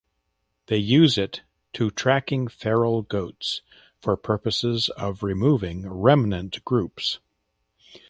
They use it to tracking feral goats for purposes of removing remnant groups.